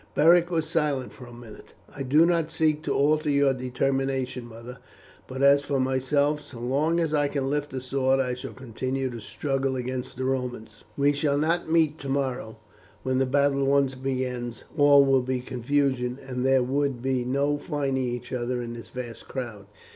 Beric was silent for a minute. "I do not seek to alter your determination, mother, but as for myself, so long as I can lift a sword I shall continue to struggle against the Romans. We shall not meet tomorrow; when the battle once begins all will be confusion, and there would be no finding each other in this vast crowd.